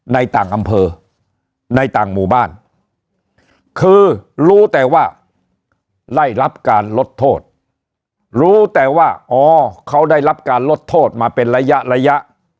ในต่างอำเภอในต่างหมู่บ้านคือรู้แต่ว่าได้รับการลดโทษรู้แต่ว่าอ๋อเขาได้รับการลดโทษมาเป็นระยะระยะ